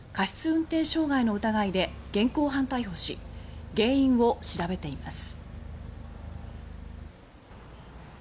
運転致傷の疑いで現行犯逮捕し原因を調べています。